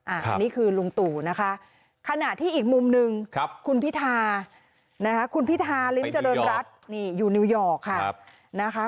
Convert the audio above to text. อันนี้คือลุงตู่นะคะขณะที่อีกมุมหนึ่งคุณพิธาลิ้มเจริญรัฐอยู่นิวยอร์กค่ะ